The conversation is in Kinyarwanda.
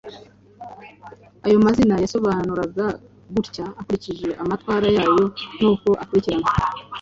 Ayo mazina yasobanuraga gutya ukurikije amatwara yayo nuko akurikirana